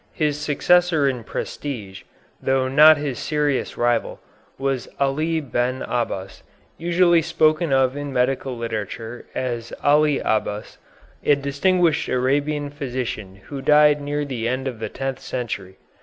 His successor in prestige, though not his serious rival, was Ali Ben el Abbas, usually spoken of in medical literature as Ali Abbas, a distinguished Arabian physician who died near the end of the tenth century.